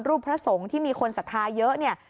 รูปพระสงค์ที่มีคนศาษาเยอะ